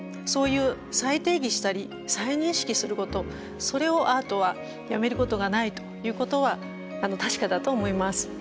そういう再定義したり再認識することそれをアートはやめることがないということは確かだと思います。